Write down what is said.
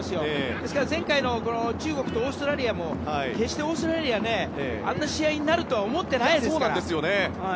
ですから、前回の中国とオーストラリアの試合も決してオーストラリアあんな試合になるとは思っていないですから。